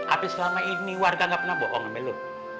apa selama ini warga gak pernah bohong emel lo